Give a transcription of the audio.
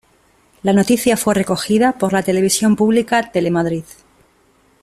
La noticia fue recogida por la televisión pública Telemadrid.